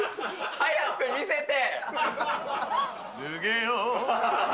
早く見せて！